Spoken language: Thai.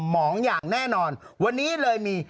หมองอย่างแน่นอนวันนี้เลยมี